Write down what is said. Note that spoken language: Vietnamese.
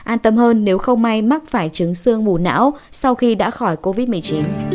an tâm hơn nếu không may mắc phải trứng xương mù não sau khi đã khỏi covid một mươi chín